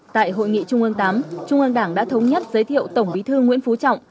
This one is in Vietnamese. tại hội nghị trung ương viii trung ương đảng đã thống nhất giới thiệu tổng bí thư nguyễn phú trọng